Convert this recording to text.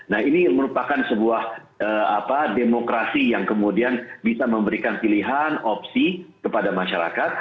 nah ini merupakan sebuah demokrasi yang kemudian bisa memberikan pilihan opsi kepada masyarakat